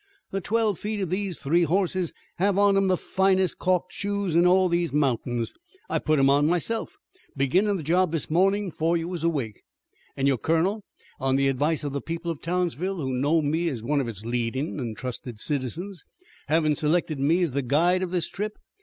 "The twelve feet of these three hosses have on 'em the finest calked shoes in all these mountains. I put 'em on myself, beginnin' the job this mornin' before you was awake, your colonel, on the advice of the people of Townsville who know me as one of its leadin' an' trusted citizens, havin' selected me as the guide of this trip.